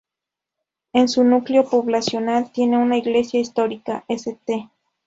En su núcleo poblacional tiene una iglesia histórica, "St.